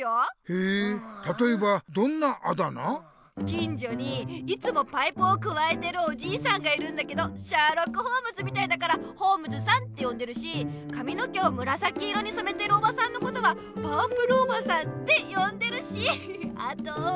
きんじょにいつもパイプをくわえてるおじいさんがいるんだけどシャーロック・ホームズみたいだから「ホームズさん」ってよんでるしかみの毛をむらさき色にそめてるおばさんのことは「パープルおばさん」ってよんでるしあと。